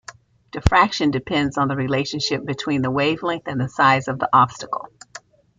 Diffraction depends on the relationship between the wavelength and the size of the obstacle.